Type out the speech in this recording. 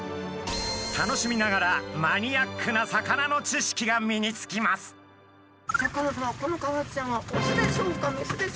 楽しみながらマニアックな魚の知識が身につきます。